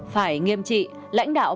phải nghiêm trị lãnh đạo